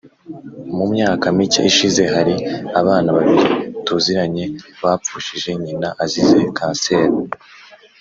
Mu myaka mike ishize hari abana babiri tuziranye bapfushije nyina azize kanseri